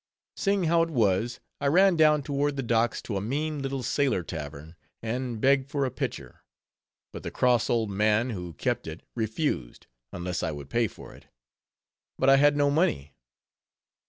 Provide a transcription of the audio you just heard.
Seeing how it was, I ran down toward the docks to a mean little sailor tavern, and begged for a pitcher; but the cross old man who kept it refused, unless I would pay for it. But I had no money.